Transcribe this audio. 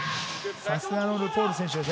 さすがのルフォール選手です。